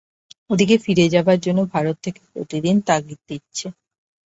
ওদিকে ফিরে যাবার জন্য ভারত থেকে প্রতিদিন তাগিদ দিচ্ছে।